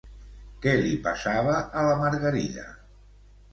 Què li passava a la Margarida?